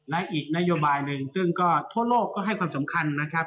และอีกนโยบายหนึ่งซึ่งก็ทั่วโลกก็ให้ความสำคัญนะครับ